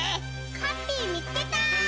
ハッピーみつけた！